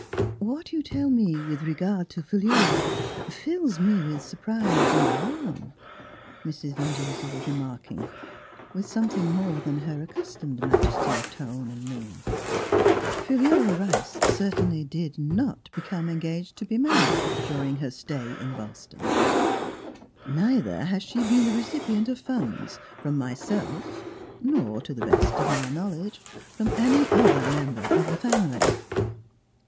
What you tell me with regard to Philura fills me with surprise and alarm/' Mrs. Van Denser was remarking with something more than her ac customed majesty of tone and 51 The Transfiguration of mien. " Philura Rice cer tainly did not become engaged to be married during her stay in Boston. Neither has she been the recipient of funds from myself, nor, to the best of my knowledge, from any other member of the family.